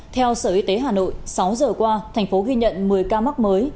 theo sở y tế hà nội sáu giờ qua thành phố ghi nhận một mươi ca mắc mới